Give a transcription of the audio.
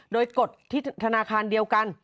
โดยกดที่ธนาคารเดียวกัน